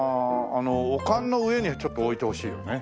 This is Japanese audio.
あのお棺の上にちょっと置いてほしいよね。